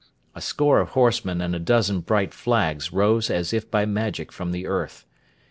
A score of horsemen and a dozen bright flags rose as if by magic from the earth.